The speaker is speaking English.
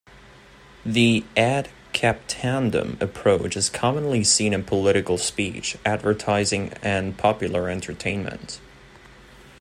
The "ad captandum" approach is commonly seen in political speech, advertising, and popular entertainment.